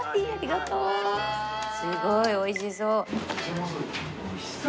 すごいおいしそう。